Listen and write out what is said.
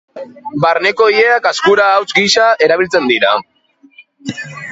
Barneko ileak azkura hauts gisa erabiltzen dira.